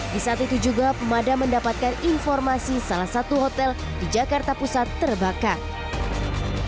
di saat itu juga pemadam mendapatkan informasi salah satu hotel di jakarta pusat terbakar